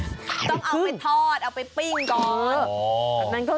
ต้องเอาไปทอดเอาไปปิ้งก่อน